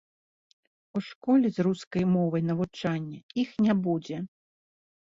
У школе з рускай мовай навучання іх не будзе.